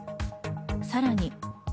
さらに。